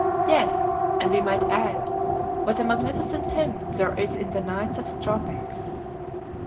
Yes; and we might add, "What a magnificent hymn there is in the nights of the tropics!"